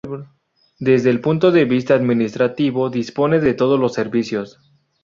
Desde el punto de vista administrativo, dispone de todos los servicios.